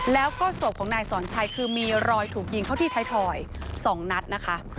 แล้วก็ศพของนายสอนชัยคือมีรอยถูกยิงเข้าที่ไทยทอย๒นัดนะคะ